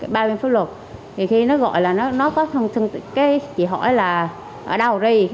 ba bên pháp luật thì khi nó gọi là nó có thân thân cái chị hỏi là ở đâu rồi